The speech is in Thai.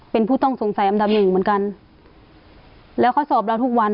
เป็นผู้ต้องสงสัยอันดับหนึ่งเหมือนกันแล้วเขาสอบเราทุกวัน